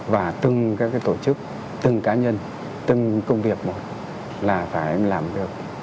và từng các tổ chức từng cá nhân từng công việc một là phải làm được